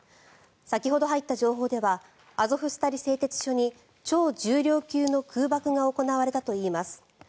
先ほど入った情報ではアゾフスタリ製鉄所に超重量級の空爆が行われたといいます。